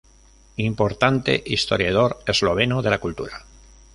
Importante historiador esloveno de la cultura.